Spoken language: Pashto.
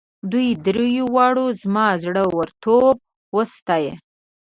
دوی دریو واړو زما زړه ورتوب وستایه.